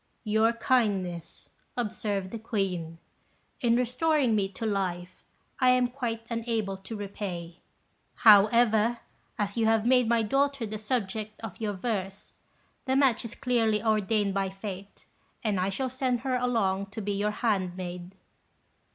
"Your kindness," observed the Queen, "in restoring me to life, I am quite unable to repay; however, as you have made my daughter the subject of your verse, the match is clearly ordained by fate, and I shall send her along to be your handmaid."